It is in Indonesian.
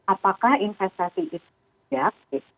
apakah investasi itu tidak